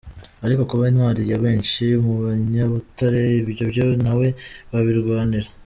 Ariko kuba Intwari ya benshi mu banyabutare ibyo byo ntawe babirwanira.